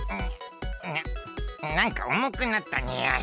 なんかおもくなったにゃん。